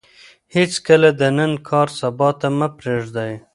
هېڅکله د نن کار سبا ته مه پرېږدئ.